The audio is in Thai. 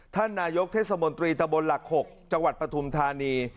ท่านนายกเทศมนตรีตะบนหลัก๖จังหวัดปฐุมธานี